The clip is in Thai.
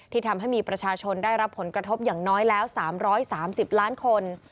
ทำให้มีประชาชนได้รับผลกระทบอย่างน้อยแล้ว๓๓๐ล้านคน